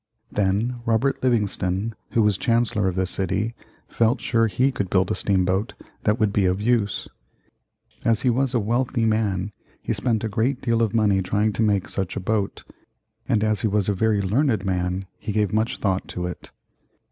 Then Robert Livingston, who was chancellor of the city, felt sure he could build a steam boat that would be of use. As he was a wealthy man he spent a great deal of money trying to make such a boat; and as he was a very learned man he gave much thought to it.